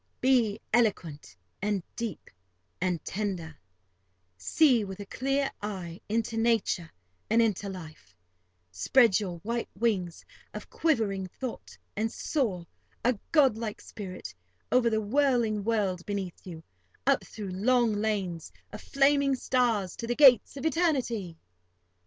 Be eloquent, and deep, and tender; see, with a clear eye, into Nature and into life; spread your white wings of quivering thought, and soar, a god like spirit, over the whirling world beneath you, up through long lanes of flaming stars to the gates of eternity!"